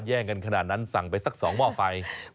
แย่งกันขนาดนั้นสั่งไปสัก๒หม้อไฟ